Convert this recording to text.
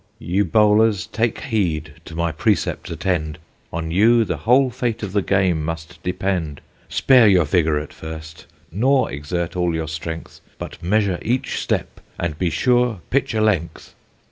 Ye bowlers, take heed, to my precepts attend, On you the whole fate of the game must depend; Spare your vigour at first, nor exert all your strength, But measure each step, and be sure pitch a length.